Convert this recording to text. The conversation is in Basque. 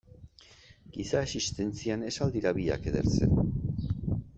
Giza existentzian, ez al dira biak edertzen?